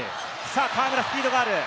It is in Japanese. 河村、スピードがある。